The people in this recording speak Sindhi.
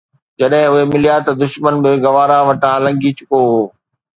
جڏهن اهي مليا ته دشمن به گوارا وٽان لنگهي چڪو هو